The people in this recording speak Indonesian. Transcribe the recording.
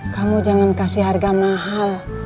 kamu jangan kasih harga mahal